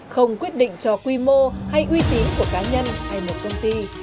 không quyết định cho quy mô hay uy tín của cá nhân hay một công ty